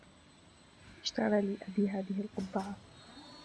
اشترى لي أبي هذه القبعة.